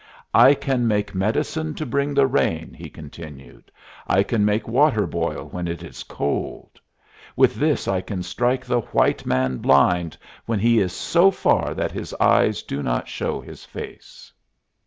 "I can make medicine to bring the rain," he continued. "I can make water boil when it is cold. With this I can strike the white man blind when he is so far that his eyes do not show his face."